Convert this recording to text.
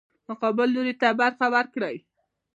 مقابل لوري ته برخه ورکړي.